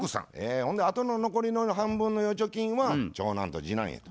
ほんであとの残りの半分の預貯金は長男と次男へと。